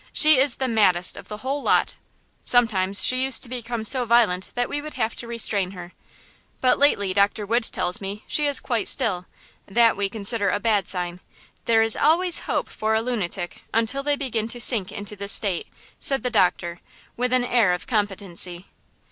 She is the maddest of the whole lot. Sometimes she used to become so violent that we would have to restrain her. But lately, Doctor Wood tells me, she is quite still; that we consider a bad sign; there is always hope for a lunatic until they begin to sink into this state," said the doctor; with an air of competency.